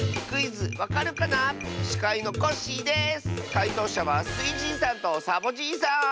かいとうしゃはスイじいさんとサボじいさん！